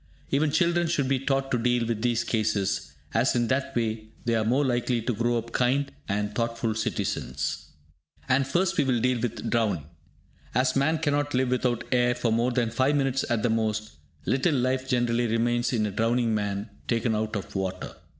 Even children should be taught to deal with these cases, as in that way they are the more likely to grow up kind and thoughtful citizens. And first we will deal with drowning. As man cannot live without air for more than 5 minutes at the most, little life generally remains in a drowning man taken out of water.